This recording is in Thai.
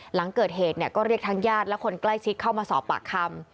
หลังเกิดเหตุก็เรียกทั้งญาติและคนใกล้ชิดเข้ามาสอบปากคำ